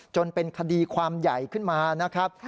จนเป็นคดีความใหญ่ขึ้นมานะครับ